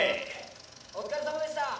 「お疲れさまでした！」